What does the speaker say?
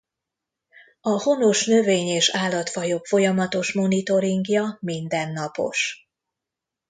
A honos növény-és állatfajok folyamatos monitoringja mindennapos.